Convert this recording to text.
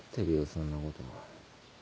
そんなこと。